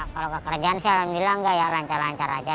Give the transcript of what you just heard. kalau kekerjaan saya bilang enggak ya lancar lancar aja